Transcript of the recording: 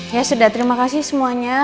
ya sudah terima kasih semuanya